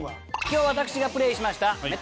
今日私がプレーしました